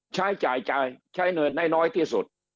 ใช้จ่ายใช้เงินได้น้อยที่สุด